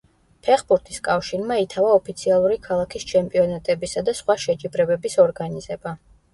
ფეხბურთის კავშირმა ითავა ოფიციალური ქალაქის ჩემპიონატებისა და სხვა შეჯიბრებების ორგანიზება.